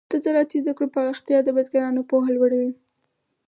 د زراعتي زده کړو پراختیا د بزګرانو پوهه لوړه وي.